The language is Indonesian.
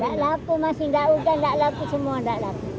tidak laku masih tidak hujan tidak laku semua